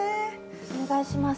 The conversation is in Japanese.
お願いします。